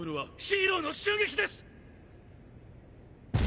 ヒーローの襲撃です！